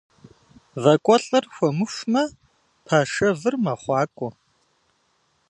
Вакӏуэлӏыр хуэмыхумэ, пашэвыр мэхъуакӏуэ.